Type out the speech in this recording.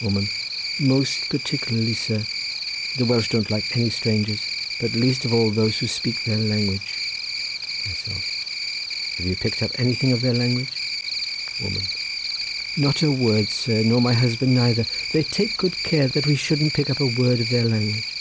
Woman.—Most particularly, sir; the Welsh don't like any strangers, but least of all those who speak their language. Myself.—Have you picked up anything of their language? Woman.—Not a word, sir, nor my husband neither. They take good care that we shouldn't pick up a word of their language.